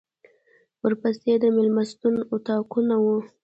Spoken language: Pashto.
ورپسې د مېلمستون اطاقونه و.